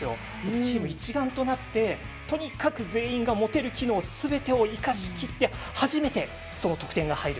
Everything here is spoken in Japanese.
チーム一丸となってとにかく全員が持てる機能をすべて生かしきって初めて、得点が入る。